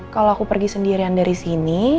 kalau aku pergi sendirian dari sini